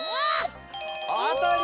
あたり！